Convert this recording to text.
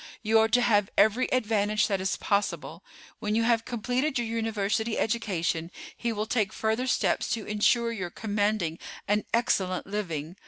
You are to have every advantage that is possible. When you have completed your university education he will take further steps to insure your commanding an excellent living.